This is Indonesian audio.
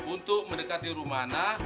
untuk mendekati rumana